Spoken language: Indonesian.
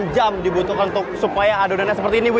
delapan jam dibutuhkan supaya adonannya seperti ini bu ya